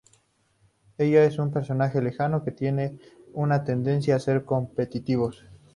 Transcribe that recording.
Ella es un personaje lejano que tiene una tendencia a ser competitivos.